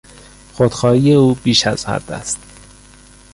خودخواهی او بیش از حد است.